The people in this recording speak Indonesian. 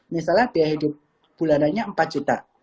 misalnya biaya hidup bulanannya empat juta